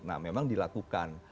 nah memang dilakukan